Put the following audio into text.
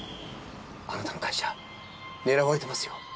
あなたの会社狙われてますよ。